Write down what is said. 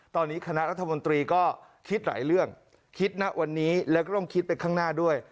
ตอนนี้คณะรัฐมนตรีก็คิดหลายเรื่องคิดณวันนี้แล้วก็ต้องคิดไปข้างหน้าด้วย